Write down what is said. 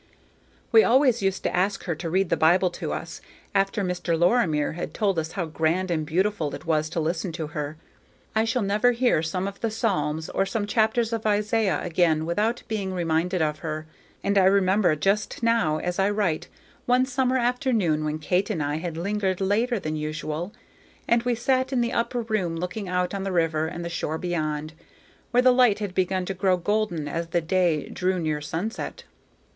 We always used to ask her to read the Bible to us, after Mr. Lorimer had told us how grand and beautiful it was to listen to her. I shall never hear some of the Psalms or some chapters of Isaiah again without being reminded of her; and I remember just now, as I write, one summer afternoon when Kate and I had lingered later than usual, and we sat in the upper room looking out on the river and the shore beyond, where the light had begun to grow golden as the day drew near sunset.